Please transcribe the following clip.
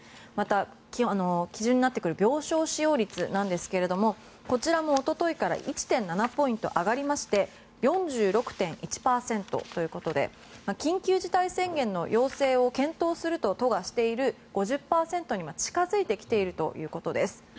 また、基準になってくる病床使用率なんですがこちらもおとといから１．７ポイント上がりまして４６．１％ということで緊急事態宣言の要請を検討すると都がしている５０％にも近付いてきているということです。